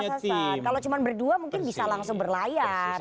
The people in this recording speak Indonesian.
kalau cuma berdua mungkin bisa langsung berlayar